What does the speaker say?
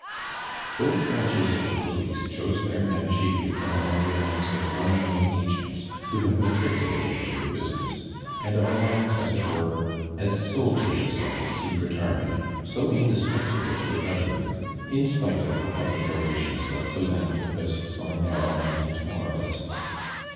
Both branches of the police chose their men chiefly from among the ranks of well known agents, who have matriculated in the business, and are, as it were, as soldiers of the secret army, so indispensable to a government, in spite of the public orations of philanthropists or narrow minded moralists.